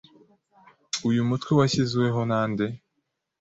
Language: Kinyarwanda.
uyu mutwe washyizeho nande